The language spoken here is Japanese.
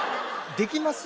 できます？